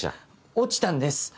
落ちたんです。